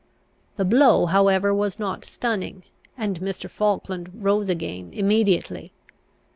The blow however was not stunning, and Mr. Falkland rose again immediately.